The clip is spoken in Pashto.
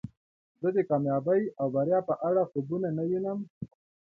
زه د کامیابۍ او بریا په اړه خوبونه نه وینم.